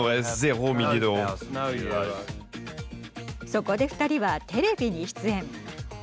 そこで２人はテレビに出演。